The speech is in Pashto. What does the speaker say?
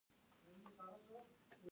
دوی په لږ لګښت فضايي ماموریتونه کوي.